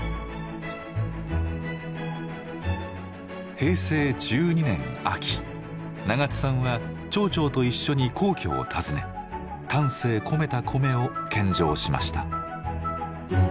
平成１２年秋永津さんは町長と一緒に皇居を訪ね丹精込めた米を献上しました。